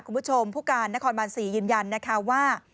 คุณผู้ชมผู้การณ์นครบาล๔ยืนยันว่า